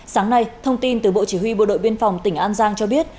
sáng nay thông tin từ bộ chỉ huy bộ đội biên phòng tỉnh an giang cho biết